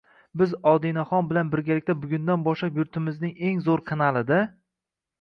biz Odinaxon bilan birgalikda bugundan boshlab yurtimizning eng zo’r kanalida